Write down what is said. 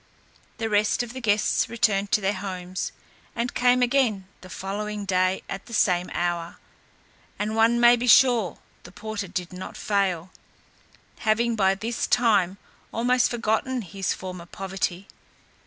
The rest of the guests returned to their homes, and came again the following day at the same hour, and one may be sure the porter did not fail, having by this time almost forgotten his former poverty.